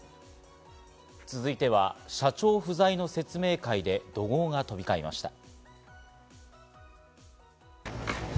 続いては社長不在の説明会で怒号が飛び交いました。